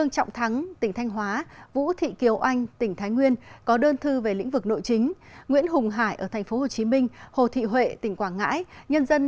chào quý vị khán giả truyền hình nhân dân